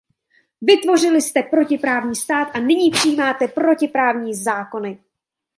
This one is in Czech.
Vytvořili jste protiprávní stát a nyní přijímáte protiprávní zákony!